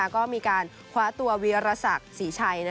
ก็มีการคว้าตัววีรศักดิ์ศรีชัย